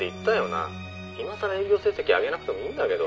「今更営業成績上げなくてもいいんだけど」